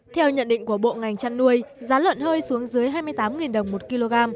theo nhận định của bộ ngành chăn nuôi giá lợn hơi xuống dưới hai mươi tám đồng một kg